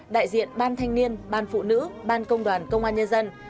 đại diện ban thanh niên ban phụ nữ ban công đoàn công an nhân dân